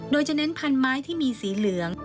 โดยจะเน้นพันธุ์ไม้ที่มีสีเหลือง